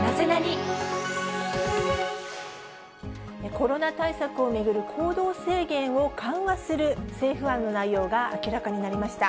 コロナ対策を巡る行動制限を緩和する政府案の内容が明らかになりました。